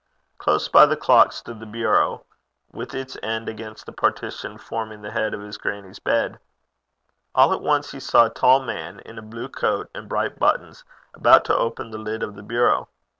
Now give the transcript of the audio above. Close by the clock stood the bureau, with its end against the partition forming the head of his grannie's bed. All at once he saw a tall man, in a blue coat and bright buttons, about to open the lid of the bureau.